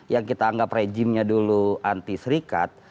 yang kita anggap rejimnya dulu anti serikat